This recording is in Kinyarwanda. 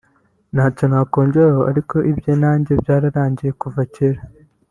Ntacyo nakongeraho ariko ibye na njye byararangiye kuva kera…